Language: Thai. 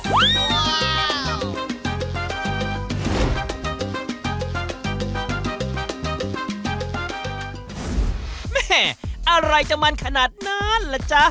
แม่อะไรจะมันขนาดนั้นล่ะจ๊ะ